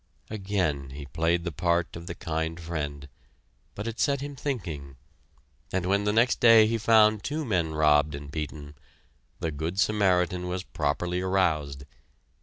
Again he played the part of the kind friend, but it set him thinking, and when the next day he found two men robbed and beaten, the good Samaritan was properly aroused.